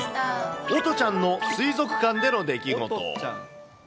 おとちゃんの水族館での出来事。